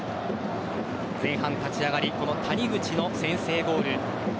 前半立ち上がり谷口の先制ゴール。